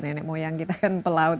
nenek moyang kita kan pelaut